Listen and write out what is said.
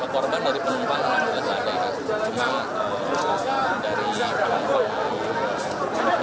korban dari penumpang yang ada di sana dari mobilnya itu